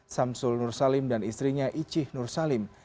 samsul nursalim dan istrinya icih nursalim